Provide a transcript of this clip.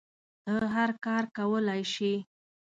ته هر کار کولی شی